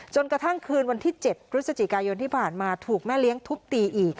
จนกระทั่งคืนวันที่๗พฤศจิกายนที่ผ่านมาถูกแม่เลี้ยงทุบตีอีก